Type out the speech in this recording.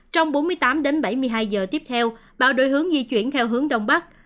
trong bốn mươi tám đến bảy mươi hai giờ tiếp theo bão đổi hướng di chuyển theo hướng đông bắc